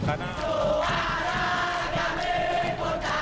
suara kami putar